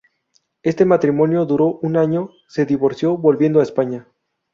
Este matrimonio duro un año, se divorció, volviendo a España.